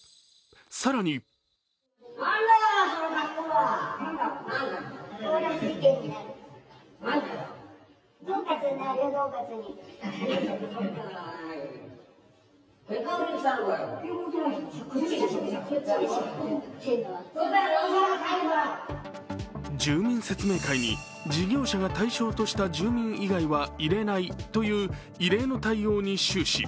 更に住民説明会に事業者が対象とした住民以外は入れないという異例の対応に終始。